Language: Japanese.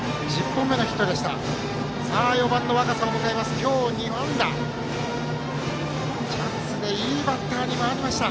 １０本目のヒットでした。